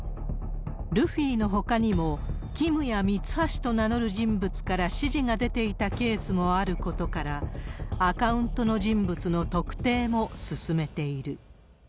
ルフィのほかにも、ＫＩＭやミツハシと名乗る人物から指示が出ていたケースもあることから、アカウントの人物の特定も進めている。